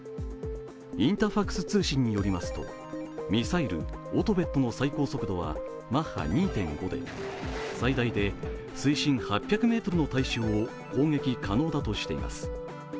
インタファクス通信によりますとミサイル・オトベットの最高速度はマッハ２．５で、最大で水深８００ｍの対象を攻撃可能だとしています。